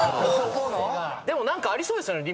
でも何かありそうですよね